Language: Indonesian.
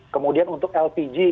kemudian untuk lpg